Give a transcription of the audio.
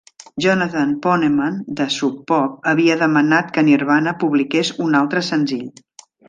Jonathan Poneman de Sub Pop havia demanat que Nirvana publiqués un altre senzill.